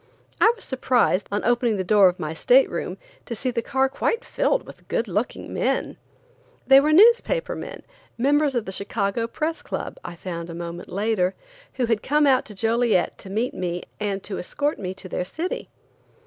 I was surprised, on opening the door of my state room, to see the car quite filled with good looking men. They were newspaper men, members of the Chicago Press Club, I found a moment later, who had come out to Joliet to meet me and to escort me to their city.